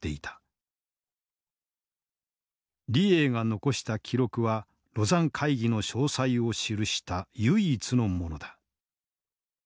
李鋭が残した記録は廬山会議の詳細を記した唯一のものだ。